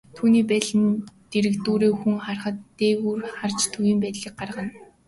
Түүний байдал нь дэргэдүүрээ хүн гарахад, дээгүүр харж төв байдлыг гаргана.